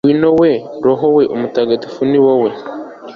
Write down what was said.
ngwino we roho mutagatifu, ni wowe